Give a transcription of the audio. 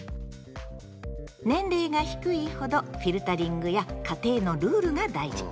年齢が低いほどフィルタリングや家庭のルールが大事。